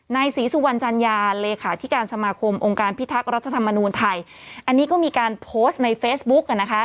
ศรีสุวรรณจัญญาเลขาธิการสมาคมองค์การพิทักษ์รัฐธรรมนูญไทยอันนี้ก็มีการโพสต์ในเฟซบุ๊กอ่ะนะคะ